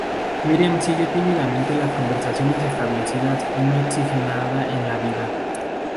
Miriam sigue tímidamente las convenciones establecidas y no exige nada en la vida.